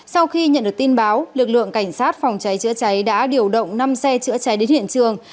sau khi nhận được tin báo lực lượng cảnh sát phòng cháy chữa cháy đã điều động năm xe chữa cháy đến hiện trường